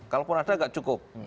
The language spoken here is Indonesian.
kalaupun ada enggak cukup